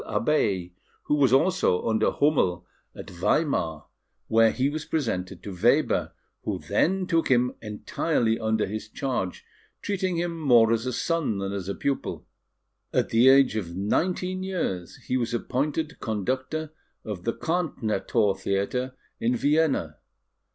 Abeille, and was also under Hummel at Weimar, where he was presented to Weber, who then took him entirely under his charge, treating him more as a son than as a pupil. At the age of nineteen years, he was appointed conductor of the Karnthnerthor Theatre in Vienna.